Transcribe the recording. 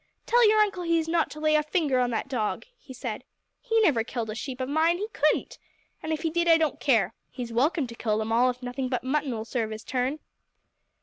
"Tell your uncle he is not to lay a finger on that dog!" he said. "He never killed a sheep of mine he couldn't! And if he did I don't care! He's welcome to kill them all, if nothing but mutton'll serve his turn."